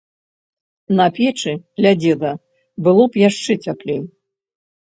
На печы, ля дзеда, было б яшчэ цяплей.